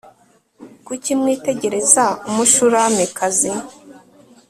kuki mwitegereza umushulamikazi